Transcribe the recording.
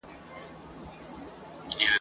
په پردي څټ کي سل سوکه څه دي !.